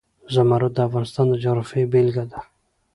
زمرد د افغانستان د جغرافیې بېلګه ده.